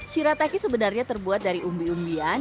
shirataki sebenarnya terbuat dari umbi umbian